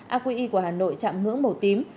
aqi của hà nội chạm ngưỡng màu tím